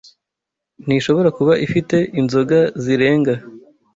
ntishobora kuba ifite inzoga zirenga